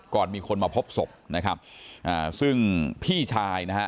ก่อนมีคนมาพบศพนะครับอ่าซึ่งพี่ชายนะฮะ